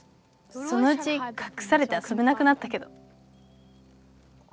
そのうちかくされてあそべなくなったけど」。